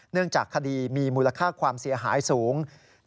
เนื่องจากคดีมีมูลค่าความเสียหายสูง